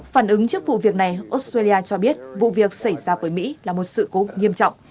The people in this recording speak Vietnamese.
phản ứng trước vụ việc này australia cho biết vụ việc xảy ra với mỹ là một sự cố nghiêm trọng